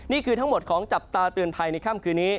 นี่คือทั้งหมดของจับตาเตือนภัยในค่ำคืนนี้